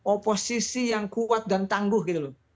oposisi yang kuat dan tangguh